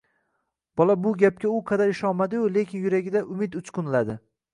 Bola bu gapga u qadar ishonmadi-yu, lekin yuragida umid uchqunladi